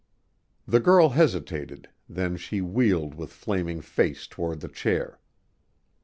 The girl hesitated, then she wheeled with flaming face toward the chair.